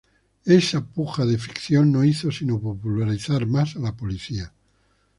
Esa puja de ficción no hizo sino popularizar más a la policía.